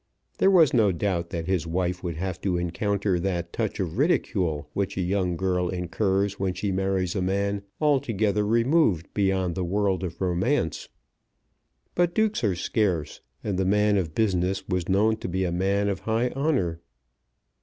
There was no doubt that his wife would have to encounter that touch of ridicule which a young girl incurs when she marries a man altogether removed beyond the world of romance. But dukes are scarce, and the man of business was known to be a man of high honour.